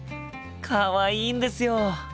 かわいいんですよ！